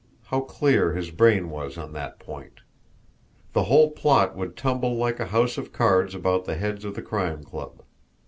How clear his brain was on that point! The whole plot would tumble like a house of cards about the heads of the Crime Club.